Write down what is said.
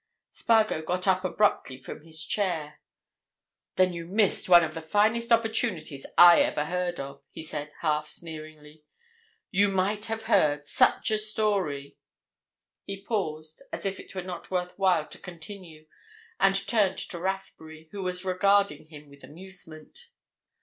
Spargo got up abruptly from his chair. "Then you missed one of the finest opportunities I ever heard of!" he said, half sneeringly. "You might have heard such a story—" He paused, as if it were not worth while to continue, and turned to Rathbury, who was regarding him with amusement.